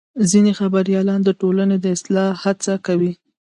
ځینې خبریالان د ټولنې د اصلاح هڅه کوي.